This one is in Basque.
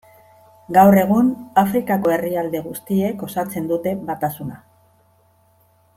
Gaur egun Afrikako herrialde guztiek osatzen dute Batasuna.